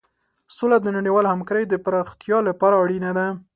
سوله د نړیوالې همکارۍ د پراختیا لپاره اړینه ده.